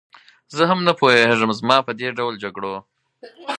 زه هم نه پوهېږم، زما په دې ډول جګړو.